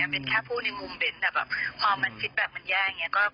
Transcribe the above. เป็นแค่พูดในมุมเบ้นแต่ว่าความคิดแบบมันแย่